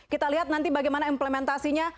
kita lihat nanti bagaimana implementasinya